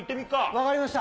分かりました。